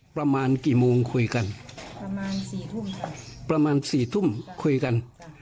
ประมาณกี่โมงคุยกันประมาณสี่ทุ่มค่ะประมาณสี่ทุ่มคุยกัน